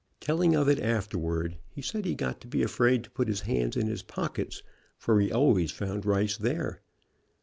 Telling of it afterward, he said he got to be afraid to put his hands in his pockets for he always found rice there.